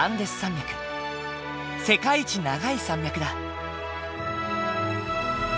世界一長い山脈だ。